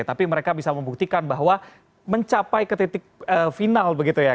tapi mereka bisa membuktikan bahwa mencapai ke titik final begitu ya